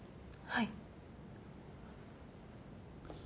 はい。